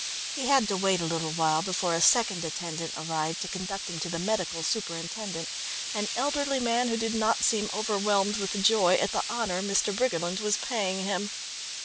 He had to wait a little while before a second attendant arrived to conduct him to the medical superintendent, an elderly man who did not seem overwhelmed with joy at the honour Mr. Briggerland was paying him.